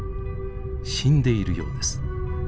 死んでいるようです。